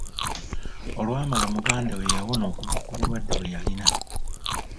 Olwamala muganda we yawona okuva ku bulwadde bwe yalina.